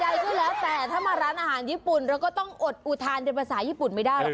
ใดก็แล้วแต่ถ้ามาร้านอาหารญี่ปุ่นเราก็ต้องอดอุทานเป็นภาษาญี่ปุ่นไม่ได้หรอก